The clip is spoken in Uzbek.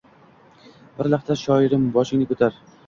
Bir lahza, shoirim, boshingni ko’tar